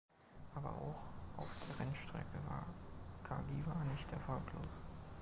Aber auch auf der Rennstrecke war Cagiva nicht erfolglos.